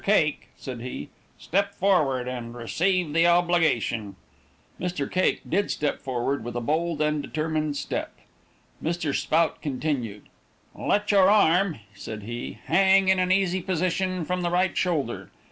Cake," said he, "step forward and receive the obligation." Mr. Cake did step forward with a bold and determined step. Mr. Spout continued: "Let your arm," said he, "hang in an easy position from the right shoulder.